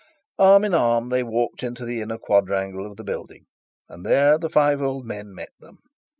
Arm in arm they walked into the inner quadrangle of the building, and there the five old men met them.